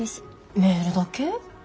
メールだけ？